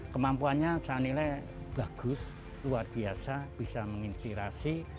kemampuannya sainilai bagus luar biasa bisa menginspirasi